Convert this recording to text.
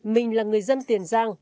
mình là người dân tiền giang